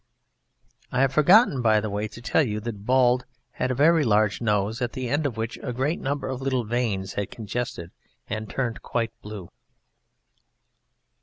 I have forgotten, by the way, to tell you that Bald had a very large nose, at the end of which a great number of little veins had congested and turned quite blue.